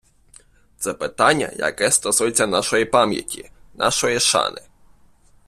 Це питання, яке стосується нашої пам'яті, нашої шани.